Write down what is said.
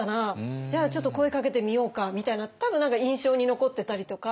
じゃあちょっと声かけてみようか」みたいな多分何か印象に残ってたりとか。